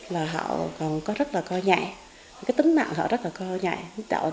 là họ còn có rất là coi nhẹ cái tính mạng họ rất là coi nhẹ